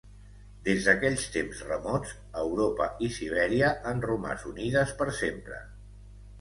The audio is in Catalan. Des d'aquells temps remots, Europa i Sibèria han romàs unides per sempre.